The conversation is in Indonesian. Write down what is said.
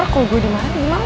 aku gue dimarahi malam